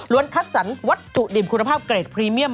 คัดสรรวัตถุดิบคุณภาพเกรดพรีเมียม